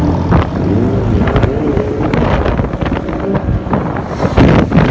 เมื่อเกิดขึ้นมันกลายเป้าหมายเป้าหมาย